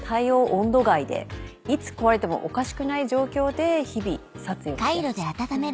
温度外でいつ壊れてもおかしくない状況で日々撮影をしていました。